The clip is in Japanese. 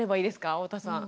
太田さん。